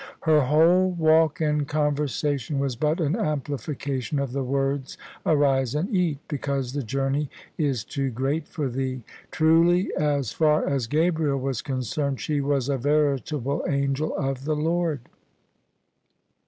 Her whole walk and conversa tion was but an amplification of the words, Arise and eat ; because the journey is too great for thee." Truly, as far as Gabriel was concerned, she was a veritable angel of the Lord.